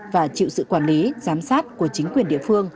và chịu sự quản lý giám sát của chính quyền địa phương